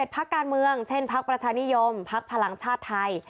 ๑๑ภักดิ์การเมืองเช่นภักดิ์ประชานิยมภักดิ์พลังชาติไทย